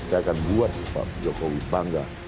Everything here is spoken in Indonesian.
saya akan buat pak jokowi bangga